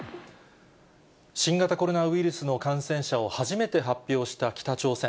新型コロナウイルスの感染者を初めて発表した北朝鮮。